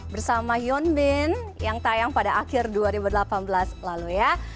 bersama hyun bin yang tayang pada akhir dua ribu delapan belas lalu ya